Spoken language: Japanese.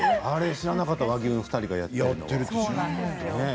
知らなかった和牛の２人がやっているとは。